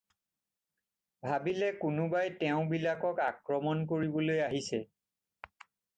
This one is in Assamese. ভাবিলে কোনোবাই তেওঁবিলাকক আক্ৰমণ কৰিবলৈ আহিছে।